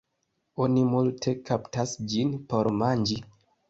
Oni multe kaptas ĝin por manĝi.